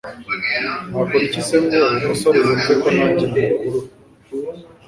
Nakora iki se ngo uwo musore yumve ko nange mukurura